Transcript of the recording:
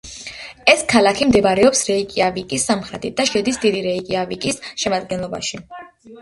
ეს ქალაქი მდებარეობს რეიკიავიკის სამხრეთით და შედის დიდი რეიკიავიკის შემადგენლობაში.